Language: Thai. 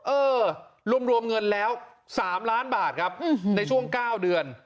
เออรวมเงินแล้ว๓ล้านบาทครับในช่วง๙เดือน